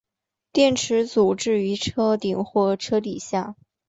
电池组置于车顶和车底下。